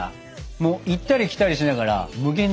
もう行ったり来たりしながら無限に食べれそう。